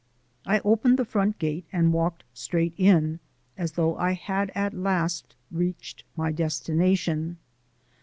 I opened the front gate and walked straight in, as though I had at last reached my destination.